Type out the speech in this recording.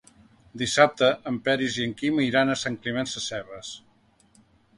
Dissabte en Peris i en Quim iran a Sant Climent Sescebes.